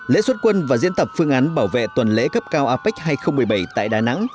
lễ xuất quân và diễn tập phương án bảo vệ tuần lễ cấp cao apec hai nghìn một mươi bảy tại đà nẵng